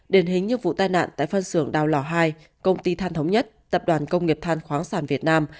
đền hình như vụ tai nạn tại phân xưởng đào lò hai công ty than thống nhất tập đoàn công nghiệp than khoáng sản việt nam